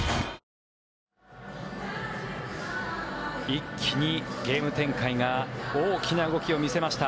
一気にゲーム展開が大きな動きを見せました。